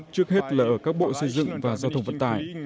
trước hết là ở các bộ xây dựng và giao thông vận tải